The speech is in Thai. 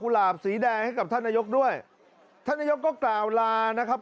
หลาบสีแดงให้กับท่านนายกด้วยท่านนายกก็กล่าวลานะครับ